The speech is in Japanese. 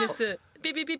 ピピピピ